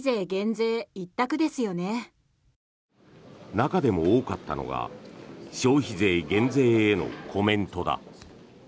中でも多かったのが消費税減税へのコメントだ。